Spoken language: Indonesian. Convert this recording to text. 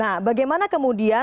nah bagaimana kemudian